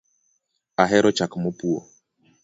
Ahero chak mopwo